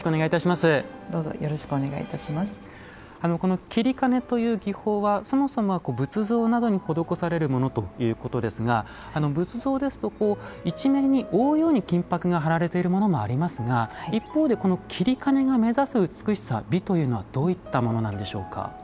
この截金という技法はそもそもは仏像などに施されるものということですが仏像ですと一面に覆うように金ぱくが貼られているものもありますが一方で截金が目指す美しさ美というのはどういったものなんでしょうか。